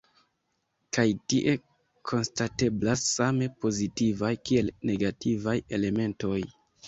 Kaj tie konstateblas same pozitivaj kiel negativaj elementoj.